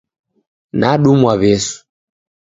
Nadumwa W'esu